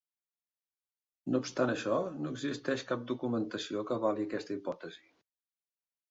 No obstant això, no existeix cap documentació que avali aquesta hipòtesi.